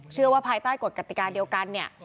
เชื่อว่าภายใต้กฎกฎิการเดียวกัน